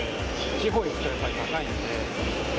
地方へ行くと、やっぱり高いんで。